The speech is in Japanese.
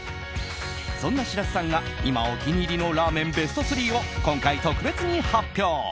そんな白洲さんが今、お気に入りのラーメンベスト３を今回、特別に発表。